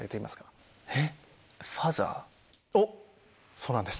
そうなんです。